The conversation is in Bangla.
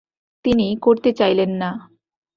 তিনি করতে চাইলেন না।